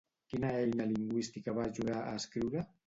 Quina eina lingüística va ajudar a escriure?